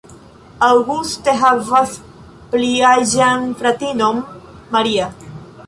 Auguste havas pli aĝan fratinon, Maria.